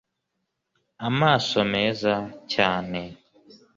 Amaso meza cyane